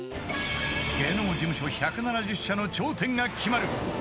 ［芸能事務所１７０社の頂点が決まる］